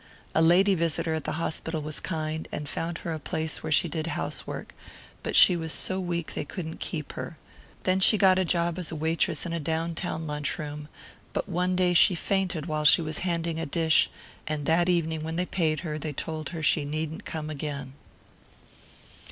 A lady visitor at the hospital was kind, and found her a place where she did housework; but she was so weak they couldn't keep her. Then she got a job as waitress in a down town lunch room, but one day she fainted while she was handing a dish, and that evening when they paid her they told her she needn't come again.